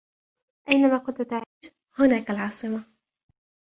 أينما كنت تعيش, هناك العاصمة.